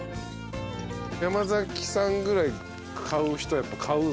山崎さんぐらい買う人はやっぱ買うんすか？